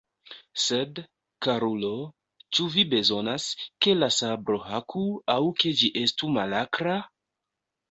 Sed, karulo, ĉu vi bezonas, ke la sabro haku, aŭ ke ĝi estu malakra?